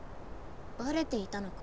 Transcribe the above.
バレていたのか。